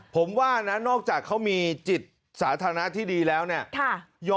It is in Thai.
ผมว่านะนอกจากเขามีจิตสาธารณะที่ดีแล้วเนี่ย